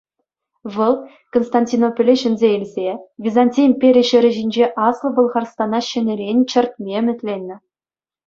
Вӑл, Константинополе ҫӗнсе илсе, Византи импери ҫӗрӗ ҫинче Аслӑ Пӑлхарстана ҫӗнӗрен чӗртме ӗмӗтленнӗ.